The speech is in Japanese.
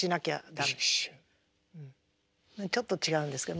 うんちょっと違うんですけど。